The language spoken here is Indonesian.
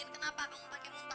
kayak gudang bau lagi nih dulu